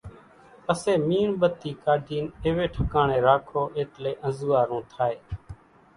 پسي ميڻ ٻتي ڪاڍين ايوي ٺڪاڻي راکو ايٽلي انزوئارون ٿائي